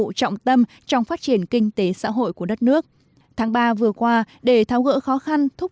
trọng tâm trong phát triển kinh tế xã hội của đất nước tháng ba vừa qua để tháo gỡ khó khăn thúc